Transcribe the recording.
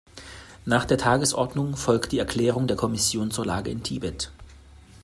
Nach der Tagesordnung folgt die Erklärung der Kommission zur Lage in Tibet.